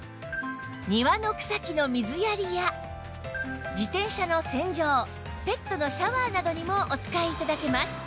庭の草木の水やりや自転車の洗浄ペットのシャワーなどにもお使い頂けます